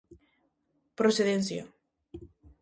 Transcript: Procedencia.